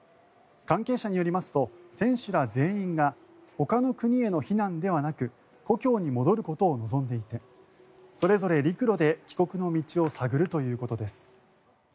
関係者によりますと選手ら全員がほかの国への避難ではなく故郷に戻ることを望んでいてそれぞれ陸路で帰国の道を探るということです。